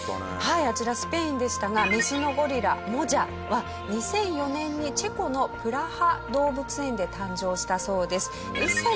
あちらスペインでしたがメスのゴリラモジャは２００４年にチェコのプラハ動物園で誕生したそうです。